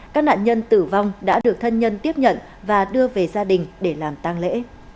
các nạn nhân tử vong đã được thân nhân tiếp nhận và đưa về gia đình để làm tăng lễ